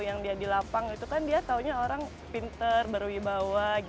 yang dia di lapang itu kan dia taunya orang pinter berwibawa